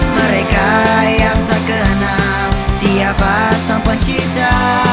mereka yang tak kena siapa sampai cipta